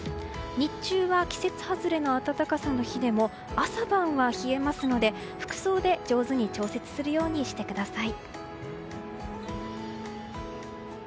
日中は季節外れの暖かさの日でも朝晩は冷えますので服装で上手に調節するようにしてください。